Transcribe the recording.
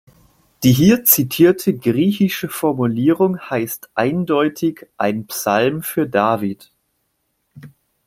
Die hier zitierte griechische Formulierung heißt eindeutig „ein Psalm für David“.